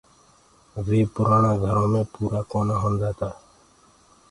وي پُرآڻآ گھرو مي پورآ ڪونآ هوندآ تآ۔